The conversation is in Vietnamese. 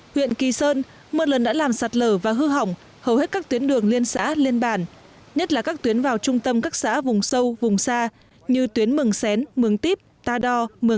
huyện kỳ sơn mưa lần đã làm sạt lở và hư hỏng hầu hết các tuyến đường liên xã liên bản nhất là các tuyến vào trung tâm các xã vùng sâu vùng xa như tuyến mừng xén mừng tiếp ta đo